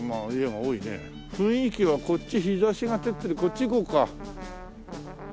雰囲気はこっち日差しが照ってるこっち行こうか。